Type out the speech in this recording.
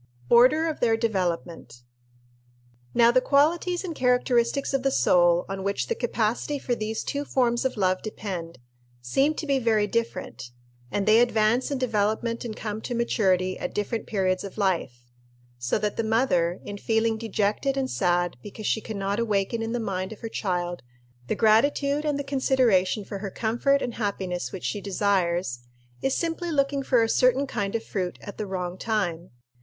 Order of their Development. Now the qualities and characteristics of the soul on which the capacity for these two forms of love depend seem to be very different, and they advance in development and come to maturity at different periods of life; so that the mother, in feeling dejected and sad because she can not awaken in the mind of her child the gratitude and the consideration for her comfort and happiness which she desires, is simply looking for a certain kind of fruit at the wrong time.